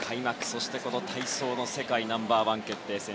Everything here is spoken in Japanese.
そして体操の世界ナンバー１決定戦